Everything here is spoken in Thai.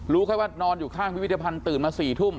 รู้แค่ว่านอนอยู่ข้างพิพิธภัณฑ์ตื่นมา๔ทุ่ม